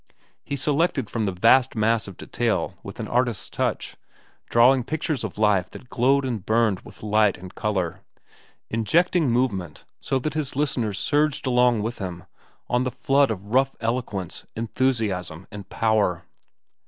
He selected from the vast mass of detail with an artist's touch, drawing pictures of life that glowed and burned with light and color, injecting movement so that his listeners surged along with him on the flood of rough eloquence, enthusiasm, and power.